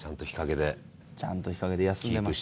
ちゃんと日陰で休んでます。